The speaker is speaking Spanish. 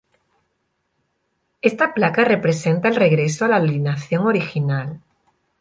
Ésta placa representa el regreso a la alineación original.